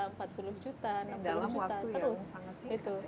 dalam waktu yang sangat singkat ya